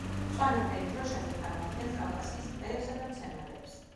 მწვანე ფერი დროშაზე, წარმოადგენს კავკასიის ტყეებსა და მცენარეებს.